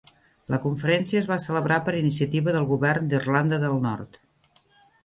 La Conferència es va celebrar per iniciativa de Govern d'Irlanda de Nord.